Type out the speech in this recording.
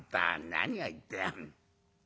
何を言ってやんだ。